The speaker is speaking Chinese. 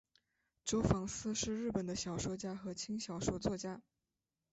周防司是日本的小说家和轻小说作家。